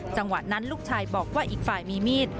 จังหวะนั้นลูกชายบอกว่าอีกฝ่ายมีมีด